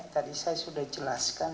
tadi saya sudah jelaskan